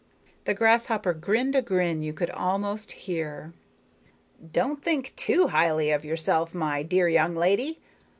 The grasshopper grinned a grin you could almost hear. "Don't think too highly of yourself, my dear young lady.